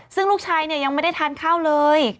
ซึ่งลูกชายเนี่ยยังไม่ได้ทานข้าวเลย